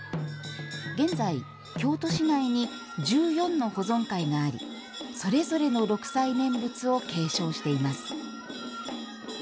現在、京都市内に１４の保存会がありそれぞれの六斎念仏を継承しています。